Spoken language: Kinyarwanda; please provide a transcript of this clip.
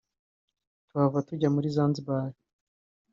tuhava tujya muri Zanzibar